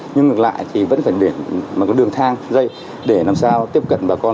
nhưng ngược lại thì vẫn phải để bằng đường thang dây để làm sao tiếp cận bà con